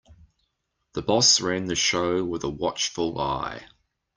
The boss ran the show with a watchful eye.